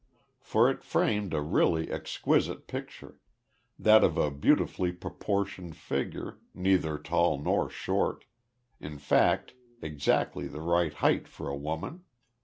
For it framed a really exquisite picture that of a beautifully proportioned figure, neither tall nor short, in fact exactly the right height for a woman.